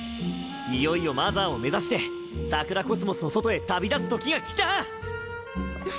いよいよマザーを目指して桜宇宙の外へ旅立つ時が来た！